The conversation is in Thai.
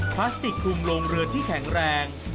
พลาสติกคลุมโรงเรือนที่แข็งแรง